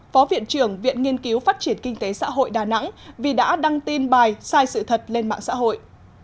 phó viện trưởng viện nghiên cứu phát triển kinh tế xã hội đà nẵng vì đã đăng tin bài sai sự thật lên mạng xã hội